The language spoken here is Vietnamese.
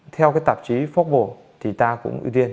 theo cái tạp chí forbồ thì ta cũng ưu tiên